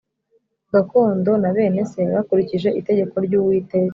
gakondo na bene se bakurikije itegeko ry Uwiteka